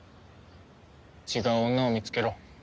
違う女を見つけろ。